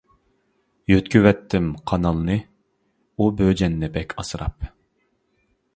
يۆتكىۋەتتىم قانالنى، ئۇ بۆجەننى بەك ئاسراپ.